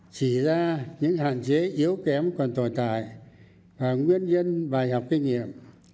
chỉ ra những hạn chế yếu kém còn tồi tải và nguyên nhân bài học kinh nghiệm